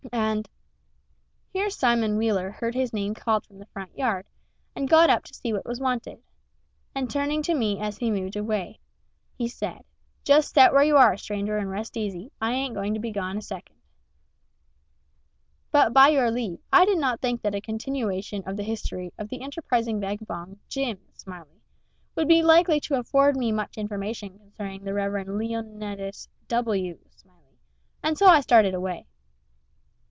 And [Here Simon Wheeler heard his name called from the front yard, and got up to see what was wanted.] And turning to me as he moved away, he said: "Just set where you are, stranger, and rest easy I ain't going to be gone a second." But, by your leave, I did not think that a continuation of the history of the enterprising vagabond Jim Smiley would be likely to afford me much information concerning the Reverend Leonidas W. Smiley, and so I started away.